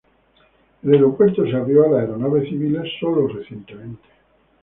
El aeropuerto se abrió a las aeronaves civiles sólo recientemente.